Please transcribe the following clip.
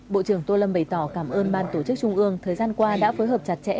bộ trưởng tô lâm bày tỏ cảm ơn ban tổ chức trung ương thời gian qua đã phối hợp chặt chẽ